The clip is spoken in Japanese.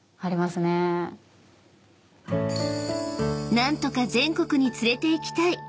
［何とか全国に連れていきたい］